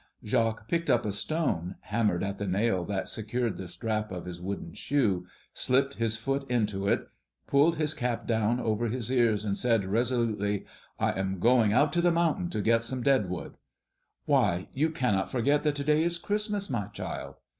Jacques picked up a stone, hammered at the nail that secured the strap of his wooden shoe, slipped his foot into it, pulled his cap down over his ears, and said resolutely, "I am going out to the mountain to get some dead wood." "Why, you forget that to day is Christmas, my child!"